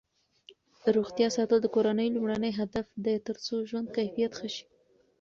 روغتیا ساتل د کورنۍ لومړنی هدف دی ترڅو ژوند کیفیت ښه شي.